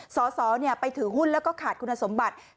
สอสอไปถือหุ้นแล้วก็ขาดคุณสมบัติ